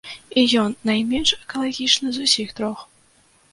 І ён найменш экалагічны з усіх трох.